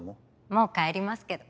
もう帰りますけど。